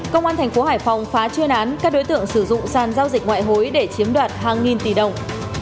công an thành phố hải phòng phá chuyên án các đối tượng sử dụng sàn giao dịch ngoại hối để chiếm đoạt hàng nghìn tỷ đồng